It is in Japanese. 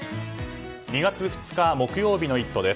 ２月２日、木曜日の「イット！」です。